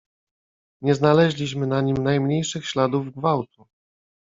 "Nie znaleźliśmy na nim najmniejszych śladów gwałtu."